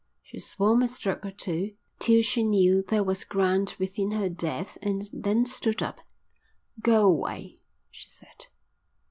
She swam a stroke or two till she knew there was ground within her depth and then stood up. "Go away," she said.